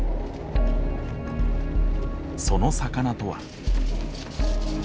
その魚とは。